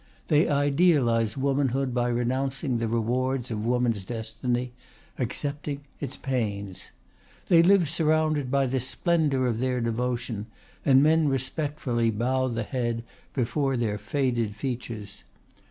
They idealize womanhood by renouncing the rewards of woman's destiny, accepting its pains. They live surrounded by the splendour of their devotion, and men respectfully bow the head before their faded features.